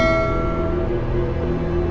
laki laki itu masih hidup